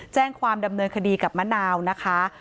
แจ้งความดำเนินคดีกับมะนาวนะคะ